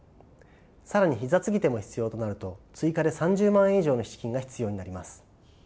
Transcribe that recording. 更に膝継手も必要となると追加で３０万円以上の資金が必要になります。